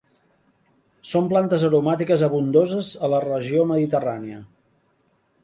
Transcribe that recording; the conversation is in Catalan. Són plantes aromàtiques abundoses a la regió mediterrània.